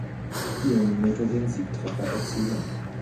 Spielminute den Siegtreffer erzielen.